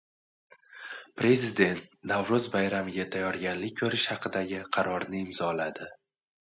Prezident Navro‘z bayramiga tayyorgarlik ko‘rish haqidagi qarorni imzoladi